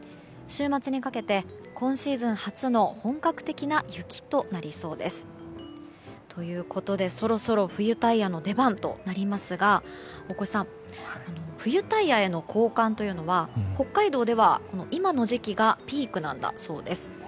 週末にかけて、今シーズン初の本格的な雪となりそうです。ということで、そろそろ冬タイヤの出番となりますが大越さん、冬タイヤへの交換は北海道では、今の時期がピークなんだそうです。